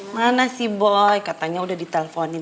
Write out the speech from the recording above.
mana si boy katanya udah di telponin